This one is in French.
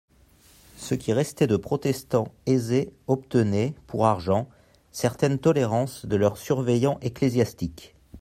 Ce qui restait de protestants aisés obtenaient, pour argent, certaines tolérances de leurs surveillants ecclésiastiques.